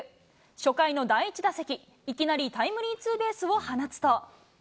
初回の第１打席、いきなりタイムリーツーベースを放つと。